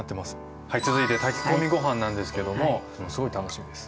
続いて炊き込みご飯なんですけどもすごい楽しみです。